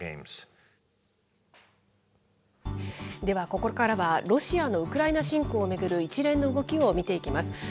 では、ここからはロシアのウクライナ侵攻を巡る一連の動きを見ていきます。